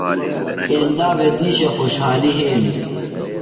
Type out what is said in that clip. ایند بھےۡ دِیشے خوۡشحالیۡ یھیلیۡ۔